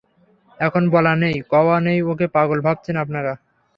এখন বলা নেই কওয়া নেই ওকে পাগল ভাবছেন আপনারা?